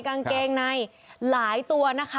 กางเกงในหลายตัว